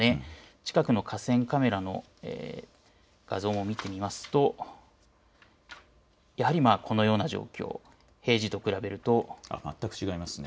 近くの河川カメラの画像も見てみるとやはりこのような状況、平時と比べると全く違いますね。